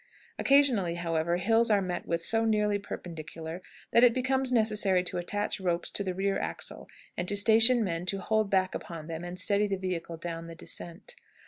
Occasionally, however, hills are met with so nearly perpendicular that it becomes necessary to attach ropes to the rear axle, and to station men to hold back upon them and steady the vehicle down the descent.